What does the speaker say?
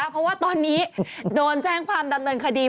เพราะว่าตอนนี้โดนแจ้งความดำเนินคดี